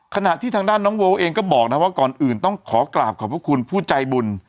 ขณะที่ทางด้านน้องโว้เองก็บอกนะว่าก่อนอื่นต้องขอกราบขอบพระคุณผู้ใจบุญ